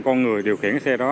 con người điều khiển cái xe đó